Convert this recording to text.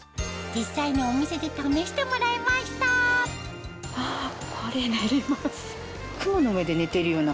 実際にお店で試してもらいましたあっ。